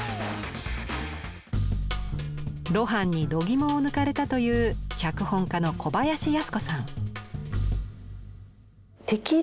露伴に度肝を抜かれたという脚本家の小林靖子さん。